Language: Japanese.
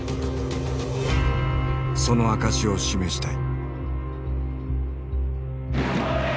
その証しを示したい。